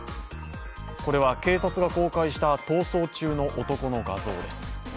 これは警察が公開した逃走中の男の画像です。